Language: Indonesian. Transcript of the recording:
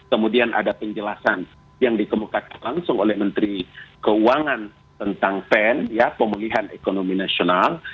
kemudian ada penjelasan yang dikemukakan langsung oleh menteri keuangan tentang pen ya pemulihan ekonomi nasional